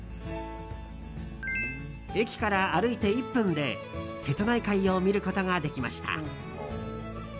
駅から歩いて１分で瀬戸内海を見ることができました。